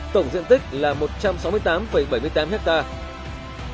tổng diện tích là một trăm sáu mươi tám bảy mươi tám hectare